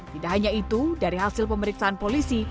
tidak hanya itu dari hasil pemeriksaan polisi